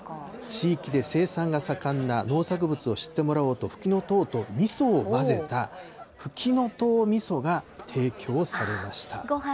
地域で生産が盛んな農作物を知ってもらおうと、ふきのとうとみそを混ぜた、ふきのとうみそが提供されました。